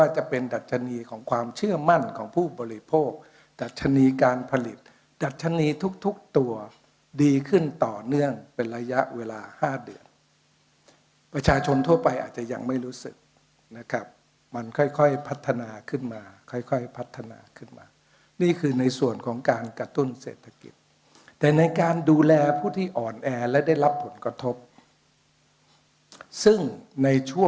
จะเป็นดัชนีของความเชื่อมั่นของผู้บริโภคดัชนีการผลิตดัชนีทุกทุกตัวดีขึ้นต่อเนื่องเป็นระยะเวลา๕เดือนประชาชนทั่วไปอาจจะยังไม่รู้สึกนะครับมันค่อยพัฒนาขึ้นมาค่อยพัฒนาขึ้นมานี่คือในส่วนของการกระตุ้นเศรษฐกิจแต่ในการดูแลผู้ที่อ่อนแอและได้รับผลกระทบซึ่งในช่วง